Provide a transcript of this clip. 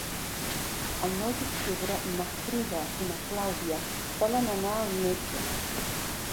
El nou d'octubre na Frida i na Clàudia volen anar al metge.